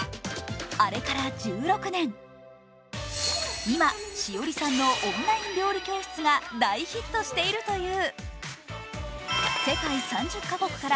あれから１６年、今、ＳＨＩＯＲＩさんのオンライン料理教室が大ヒットしているという。